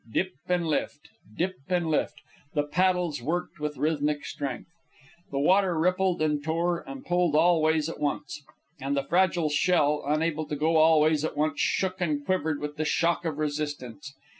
Dip and lift, dip and lift, the paddles worked with rhythmic strength. The water rippled and tore, and pulled all ways at once; and the fragile shell, unable to go all ways at once, shook and quivered with the shock of resistance.